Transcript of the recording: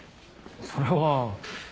それは。